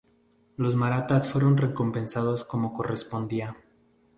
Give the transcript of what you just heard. Los marathas fueron recompensados como correspondía.